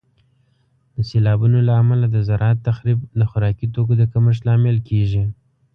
د سیلابونو له امله د زراعت تخریب د خوراکي توکو د کمښت لامل کیږي.